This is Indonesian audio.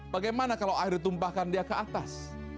bagaimana kalau air ditumpahkan dia ke atas